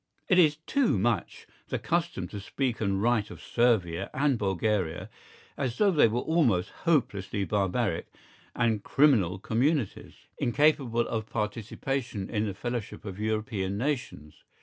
It is too much the custom to speak and write of Servia and Bulgaria as though they were almost hopelessly barbaric and criminal communities, incapable of participation in the fellowship of European nations.